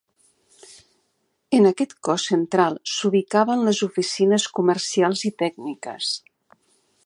En aquest cos central s'ubicaven les oficines comercials i tècniques.